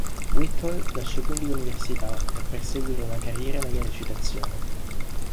Whittle lasciò quindi l'università per perseguire una carriera nella recitazione.